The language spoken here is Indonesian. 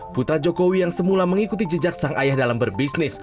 putra jokowi yang semula mengikuti jejak sang ayah dalam berbisnis